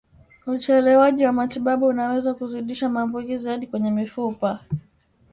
Uchelewaji wa matibabu unaweza kuzidisha maambukizi hadi kwenye mifupa